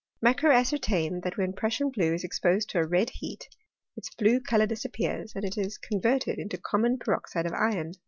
Macquer ascertained that when Prussian blue is exposed to a red heat its blue colour disappears, and it is converted into common peroxide of iron.